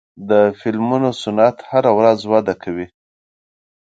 د فلمونو صنعت هره ورځ وده کوي.